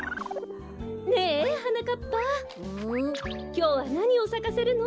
きょうはなにをさかせるの？